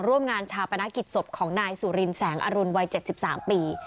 ร่วมงานชาปนกิจศพของนายสุรินแสงอรุณวัย๗๓ปี